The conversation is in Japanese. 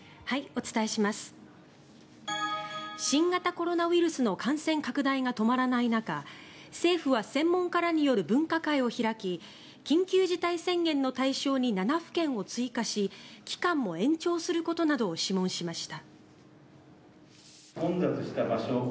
新型コロナウイルスの感染拡大が止まらない中政府は専門家らによる分科会を開き緊急事態宣言の対象に７府県を追加し期間も延長することなどを諮問しました。